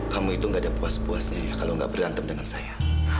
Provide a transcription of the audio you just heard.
kamu itu gak ada puas puasnya kalau gak berantem dengan saya